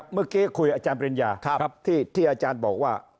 เมื่อกี้คุยอาจารย์ปริญญาที่อาจารย์บอกว่า